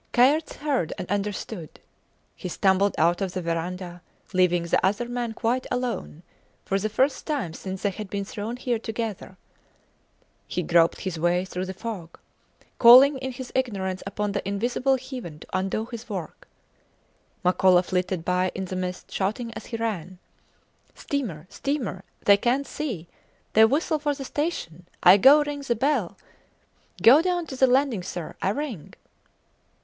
Kayerts heard and understood. He stumbled out of the verandah, leaving the other man quite alone for the first time since they had been thrown there together. He groped his way through the fog, calling in his ignorance upon the invisible heaven to undo its work. Makola flitted by in the mist, shouting as he ran Steamer! Steamer! They cant see. They whistle for the station. I go ring the bell. Go down to the landing, sir. I ring.